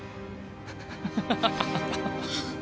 ハハハハ。